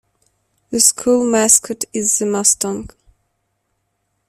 The school mascot is the Mustang.